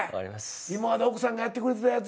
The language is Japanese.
今まで奥さんがやってくれてたやつ。